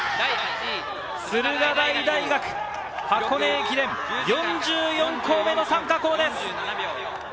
駿河台大学、箱根駅伝、４４校目の参加校です。